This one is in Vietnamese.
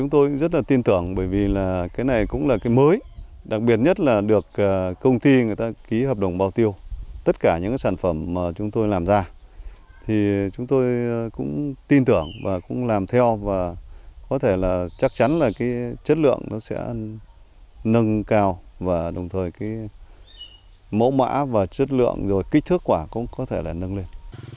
tôi cũng tin tưởng và cũng làm theo và có thể là chắc chắn là cái chất lượng nó sẽ nâng cao và đồng thời cái mẫu mã và chất lượng rồi kích thước quả cũng có thể là nâng lên